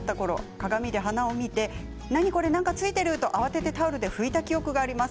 鏡で鼻を見て何これ、何かついていると慌ててタオルで拭いた記憶があります。